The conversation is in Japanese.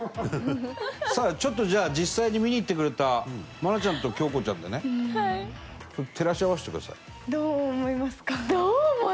さあちょっとじゃあ実際に見に行ってくれた愛菜ちゃんと京子ちゃんでね照らし合わせてください。